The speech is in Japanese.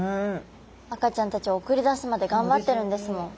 赤ちゃんたちを送り出すまでがんばってるんですもん。